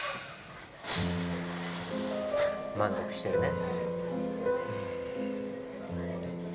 満足してるね。